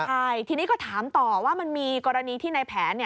ใช่ทีนี้ก็ถามต่อว่ามันมีกรณีที่ในแผน